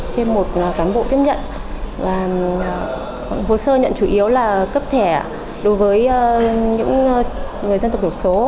trên một cán bộ tiếp nhận và hồ sơ nhận chủ yếu là cấp thẻ đối với những người dân tộc thiểu số